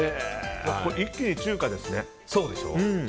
これ、一気に中華ですね。